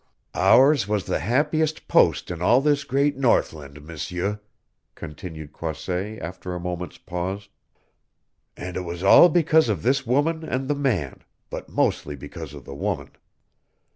"Ours was the happiest post in all this great northland, M'seur," continued Croisset after a moment's pause; "and it was all because of this woman and the man, but mostly because of the woman.